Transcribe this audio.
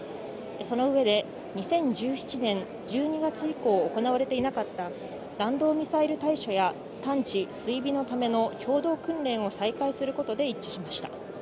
その上で、２０１７年１２月以降、行われていなかった弾道ミサイル対処や、探知・追尾のための共同訓練を再開することで一致しました。